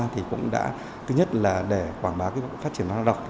thứ nhất là để quảng bá phát triển văn hóa đọc